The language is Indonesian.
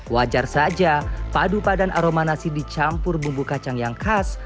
wajar saja padu padan aroma nasi dicampur bumbu kacang yang khas